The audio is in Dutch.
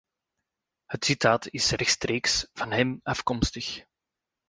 Het citaat is rechtstreeks van hem afkomstig.